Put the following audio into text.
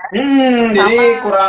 hmmm jadi kurang kurang